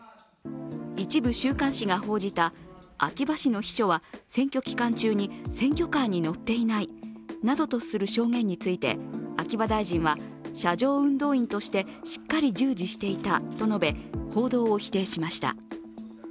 一部、週刊誌が報じた秋葉氏の秘書は選挙期間中に選挙カーに乗っていないなどとする証言について秋葉大臣は車上運動員としてしっかり従事していたと述べ、報道を否定しました。